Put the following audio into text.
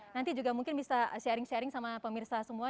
nanti juga mungkin bisa sharing sharing sama pemirsa semua